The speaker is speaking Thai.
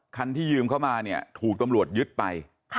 ที่ยืมเข้ามาเนี่ยถูกตำรวจยึดไป